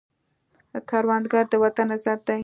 کروندګر د وطن عزت دی